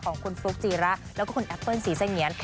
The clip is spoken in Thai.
ของคุณฟลุ๊กจีระแล้วก็คุณแอปเปิ้ลสีเสงียน